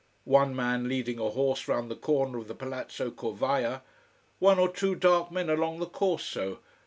One man leading a horse round the corner of the Palazzo Corvaia. One or two dark men along the Corso.